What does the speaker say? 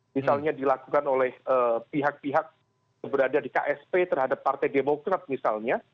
misalnya dilakukan oleh pihak pihak berada di ksp terhadap partai demokrat misalnya